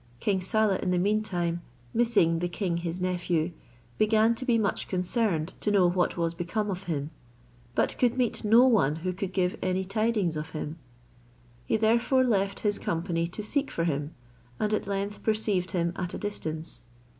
King Saleh, in the meantime, missing the king his nephew, began to be much concerned to know what was become of him; but could meet no one who could give any tidings of him. He therefore left his company to seek for him, and at length perceived him at a distance.